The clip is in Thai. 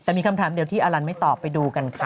แต่มีคำถามเดียวที่อลันไม่ตอบไปดูกันค่ะ